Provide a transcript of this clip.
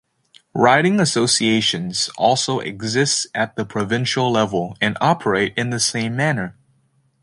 Riding associations also exist at the provincial level and operate in the same manner.